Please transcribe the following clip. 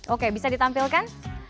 oke bisa ditampilkan